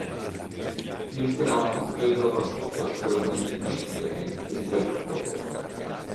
Il brano vede la partecipazione di Macy Gray e Jeff Beck.